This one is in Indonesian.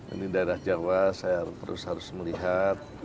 ini daerah jawa saya terus harus melihat